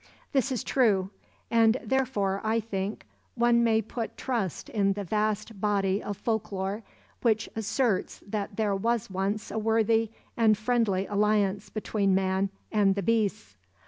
This is true; and, therefore, I think, one may put trust in the vast body of folklore which asserts that there was once a worthy and friendly alliance between man and the beasts.